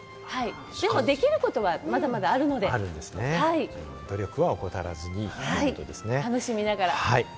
でも、できることはまだまだあるので努力は怠らずにですね。楽しみながら。